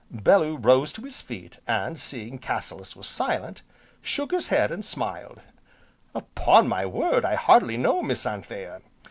Bellew rose to his feet, and seeing Cassilis was silent, shook his head and smiled: "Upon my word, I hardly know, Miss Anthea.